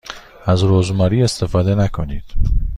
از رزماری استفاده نکنید.